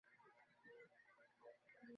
তুমি সরাইখানা থেকে টাকা চুরি করেছিলে, তাই না?